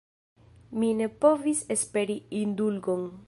Mi ne povis esperi indulgon.